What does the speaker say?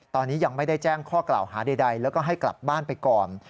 ตอนนี้ยังไม่ได้แจ้งข้อกล่าวหาใดแล้วก็ให้กลับบ้านไปก่อน